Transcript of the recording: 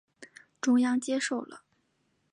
中央接受了。